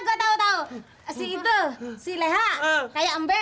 gue tau tau si itu si leha kayak embel